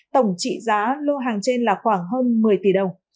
tổng trị giá lô hàng trên là khoảng hơn một mươi tỷ đồng